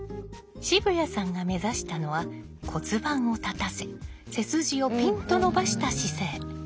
渋谷さんが目指したのは骨盤を立たせ背筋をピンと伸ばした姿勢。